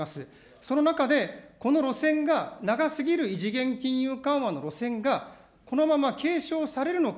その中で、この路線が長すぎる異次元金融緩和の路線が、このまま継承されるのか。